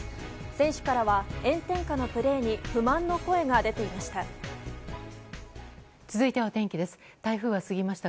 選手からは炎天下のプレーに不満の声が出ていました。